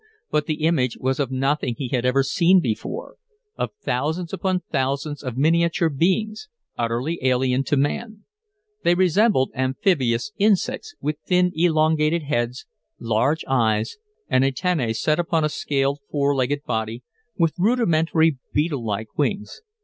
But the image was of nothing he had ever seen before of thousands upon thousands of miniature beings, utterly alien to man; they resembled amphibious insects, with thin, elongated heads, large eyes, and antennae set upon a scaled, four legged body, with rudimentary beetle like wings.